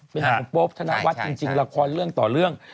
เป็นปีของโปปธนวัตต์คือจริงละครเรื่องต่อเรื่อง